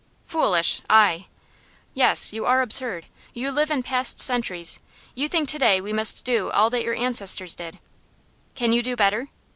"Foolish! I?" "Yes; you are absurd. You live in past centuries. You think to day we must do all that your ancestors did." "Can you do better?"